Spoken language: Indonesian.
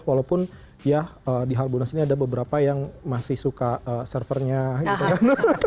walaupun ya di harbonas ini ada beberapa yang masih suka servernya gitu kan